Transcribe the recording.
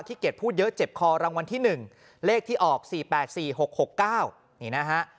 เกดพูดเยอะเจ็บคอรางวัลที่๑เลขที่ออก๔๘๔๖๖๙นี่นะฮะ